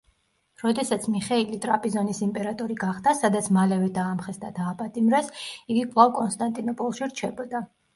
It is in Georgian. როდესაც მიხეილი ტრაპიზონის იმპერატორი გახდა, სადაც მალევე დაამხეს და დააპატიმრეს, იგი კვლავ კონსტანტინოპოლში რჩებოდა.